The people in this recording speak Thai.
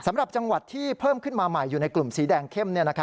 สำหรับจังหวัดที่เพิ่มขึ้นมาใหม่อยู่ในกลุ่มสีแดงเข้ม